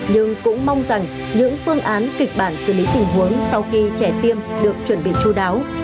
nhưng cũng mong rằng những phương án kịch bản xử lý tình huống sau khi trẻ tiêm được chuẩn bị chú đáo